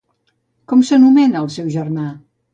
Com s'anomena el seu germà?